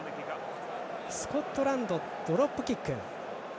スコットランドのドロップキック。